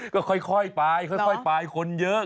ก็ค่อยไปค่อยไปคนเยอะ